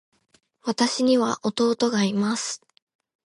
私には弟がいます。